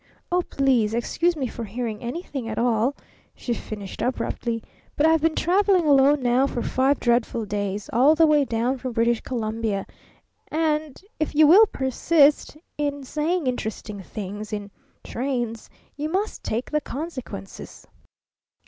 Oh, please, excuse me for hearing anything at all," she finished abruptly; "but I've been traveling alone now for five dreadful days, all the way down from British Columbia, and if you will persist in saying interesting things in trains you must take the consequences!"